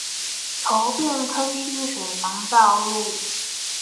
頭汴坑溪水防道路